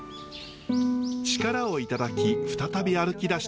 力をいただき再び歩きだした２人。